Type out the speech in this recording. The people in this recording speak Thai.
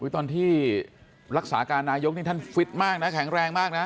ตอนที่รักษาการนายกนี่ท่านฟิตมากนะแข็งแรงมากนะ